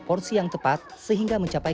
porsi yang tepat sehingga mencapai